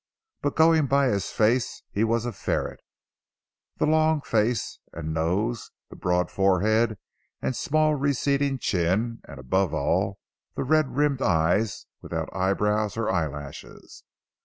But going by his face he was a ferret. The long face and nose, the broad forehead and small receding chin, and above all the red rimmed eyes without eyebrows or eyelashes.